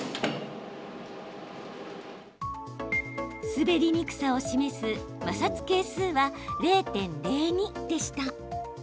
滑りにくさを示す摩擦係数は０．０２でした。